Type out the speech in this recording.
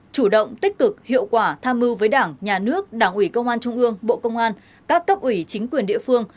chủ động tích cực hiệu quả tham mưu với đảng nhà nước đảng ủy công an trung ương bộ công an các cấp ủy chính quyền địa phương